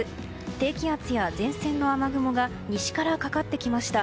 低気圧や前線の雨雲が西からかかってきました。